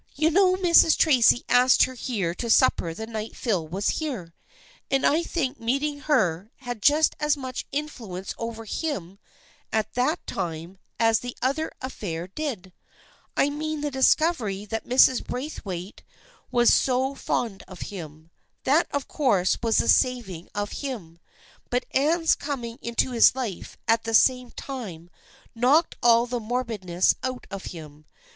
You know Mrs. Tracy asked her here to supper the night Phil was here, and I think meeting her had just as much influence over him at that time as the other affair did. I mean the discovery that Mrs. Braithwaite was so fond of him. That of course was the saving of him, but Anne's coming into his life at the same time knocked all the morbidness out of him.